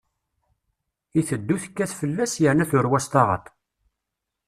Iteddu tekkat fell-as, yerna turew-as taɣaṭ.